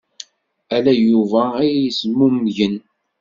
Ala Yuba ay yezmumgen.